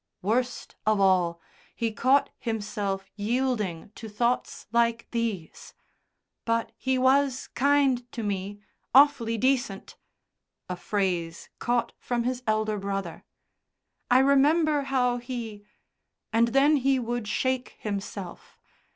Worst of all, he caught himself yielding to thoughts like these: "But he was kind to me awfully decent" (a phrase caught from his elder brother). "I remember how He ..." And then he would shake himself.